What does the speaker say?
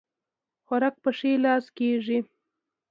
خوراک په ښي لاس کيږي